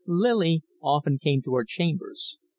Lily often came to our chambers.